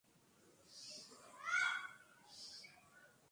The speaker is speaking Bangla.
গ্রামীণফোনের জিপি নাইট অনুষ্ঠানে সেদিন আমার সঙ্গে কণ্ঠ মিলিয়েছেন পাঁচ হাজার দর্শক।